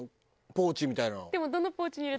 ポーチみたいな。